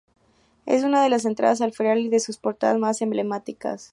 Es una de las entradas al ferial y de sus portadas más emblemáticas.